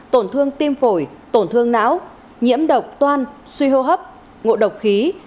tổn thương tim phổi tổn thương não nhiễm độc toan suy hô hấp ngộ độc khí